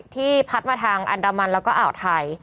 พัดมาทางอันดามันแล้วก็อ่าวไทย